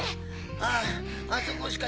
あああそこしか